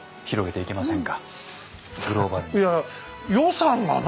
いや予算がな。